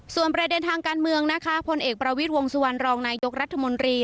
ส่วนประเด็นทางการเมืองนะคะพลเอกประวิทย์วงสุวรรณรองนายยกรัฐมนตรี